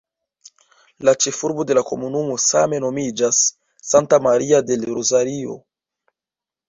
La ĉefurbo de la komunumo same nomiĝas "Santa Maria del Rosario".